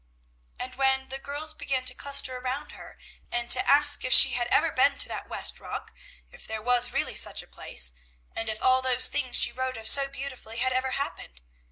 And when the girls began to cluster around her, and to ask if she had ever been to that West Rock, if there was really such a place, and if all those things she wrote of so beautifully had ever happened?